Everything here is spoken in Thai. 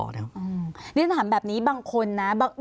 นี่ถามแบบนี้บางคนนะ